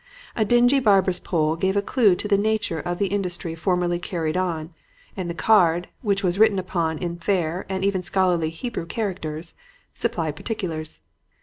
A dingy barber's pole gave a clue to the nature of the industry formerly carried on, and the card which was written upon in fair and even scholarly Hebrew characters supplied particulars.